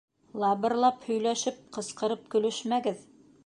Лабырлап һөйләшеп, ҡысҡырып көлөшмәгеҙ.